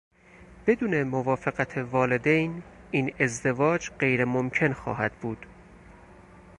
بدون موافقت والدین این ازدواج غیرممکن خواهد بود.